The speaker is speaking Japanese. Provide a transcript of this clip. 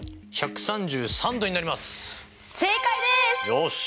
よし！